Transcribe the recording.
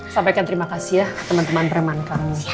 sampaikan terima kasih ya ke teman teman preman kami